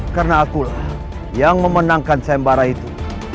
karena akulah yang memenangkan sembara itu